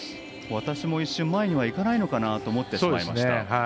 私も一瞬前には行かないのかなと思ってしまいました。